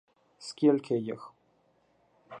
— Скільки їх?